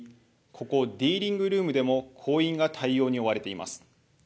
ここディーリングルームでも行員が対応に追われています。